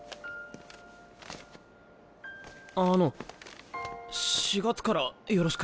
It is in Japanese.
あの４月からよろしく。